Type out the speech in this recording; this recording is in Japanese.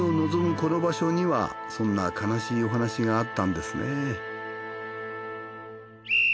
この場所にはそんな悲しいお話があったんですね。